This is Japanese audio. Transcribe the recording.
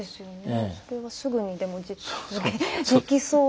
それは、すぐにでもできそうな。